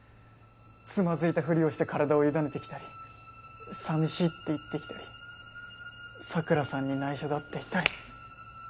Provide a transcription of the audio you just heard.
つまずいたふりをして体を委ねてきたり寂しいって言ってきたり桜さんに内緒だって言ったり。